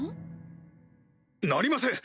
なりません